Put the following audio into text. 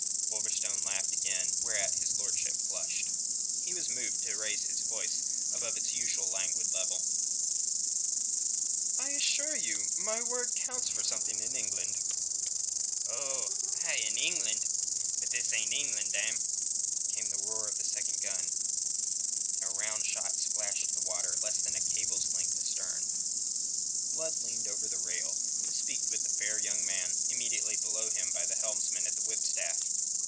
Wolverstone laughed again, whereat his lordship flushed. He was moved to raise his voice above its usual languid level. "I assure you that my word counts for something in England." "Oh, aye in England. But this ain't England, damme." Came the roar of a second gun, and a round shot splashed the water less than half a cable's length astern. Blood leaned over the rail to speak to the fair young man immediately below him by the helmsman at the whipstaff.